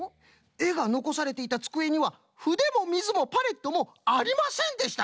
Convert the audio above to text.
えがのこされていたつくえにはふでもみずもパレットもありませんでしたぞ！